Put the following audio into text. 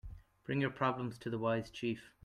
Bring your problems to the wise chief.